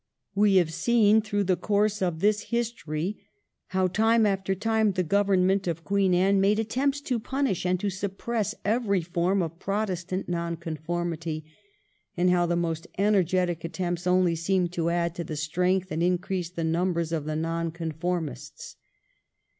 We have seen through the course of this history how time after time the Government of Queen Anne made attempts to punish and to suppress every form of Protestant Nonconformity, and how the most energetic attempts only seemed to add to the strength and increase the numbers of the Nonconformists.